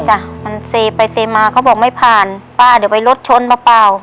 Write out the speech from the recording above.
จ้ะมันเซไปเซมาเขาบอกไม่ผ่านป้าเดี๋ยวไปรถชนเปล่าเปล่า